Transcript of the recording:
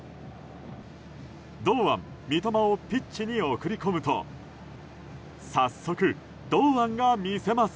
堂安、三笘をピッチに送り込むと早速、堂安が見せます。